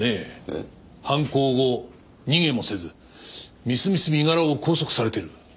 犯行後逃げもせずみすみす身柄を拘束されている。